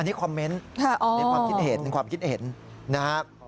อันนี้คอมเมนต์ในความคิดเห็นนะฮะ